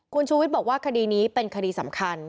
คุณชูวิทย์บอกว่าคดีนี้เป็นคดีสำคัญ